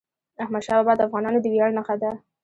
احمدشاه بابا د افغانانو د ویاړ نښه ده.